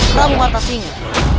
prabu marta singa